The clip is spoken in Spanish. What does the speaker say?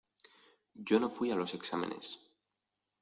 Yo no fuí a los exámenes.